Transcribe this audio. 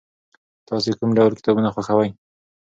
تاسې کوم ډول کتابونه خوښوئ؟